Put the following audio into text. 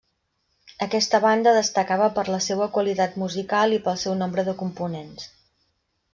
Aquesta banda destacava per la seua qualitat musical i pel seu nombre de components.